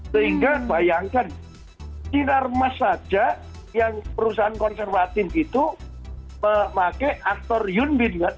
sehingga bayangkan sinar mas saja yang perusahaan konservatif itu memakai aktor yoon bin